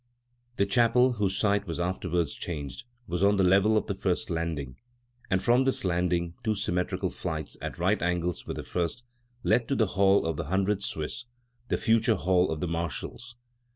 The chapel, whose site was afterwards changed, was on the level of the first landing; and from this landing, two symmetrical flights, at right angles with the first, led to the Hall of the Hundred Swiss (the future Hall of the Marshals).